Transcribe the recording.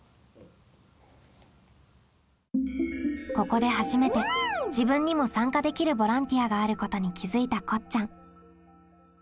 ここで初めて自分にも参加できるボランティアがあることに気づいたこっちゃん。